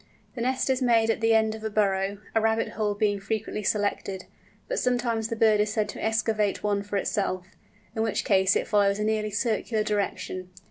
The nest is made at the end of a burrow, a rabbit hole being frequently selected; but sometimes the bird is said to excavate one for itself, in which case it follows a nearly circular direction.